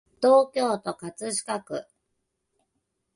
東京都葛飾区